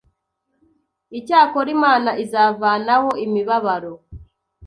Icyakora, Imana izavanaho imibabaro